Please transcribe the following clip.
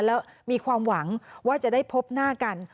แล้วมีความหวังว่าจะได้พบหน้ากัน